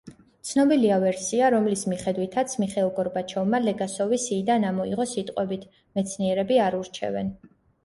ცნობილია ვერსია, რომლის მიხედვითად მიხეილ გორბაჩოვმა ლეგასოვი სიიდან ამოიღო სიტყვებით: „მეცნიერები არ ურჩევენ“.